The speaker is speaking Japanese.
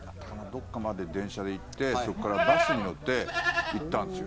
どっかまで電車で行ってそこからバスに乗って行ったんですよ。